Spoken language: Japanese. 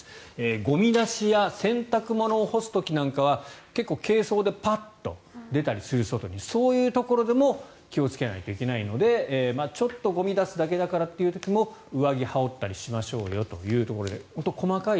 ゴミ出しや洗濯物を干す時なんかは結構軽装でパッと出たりする時もそういうところでも気をつけないといけないのでちょっとゴミを出すだけだからという時も上着を羽織ったりしましょうよということで細かい。